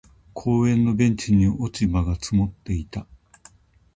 公園のベンチに落ち葉が積もっていた。